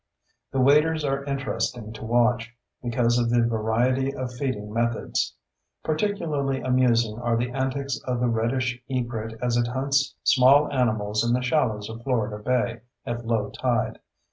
The waders are interesting to watch, because of the variety of feeding methods. Particularly amusing are the antics of the reddish egret as it hunts small animals in the shallows of Florida Bay at low tide.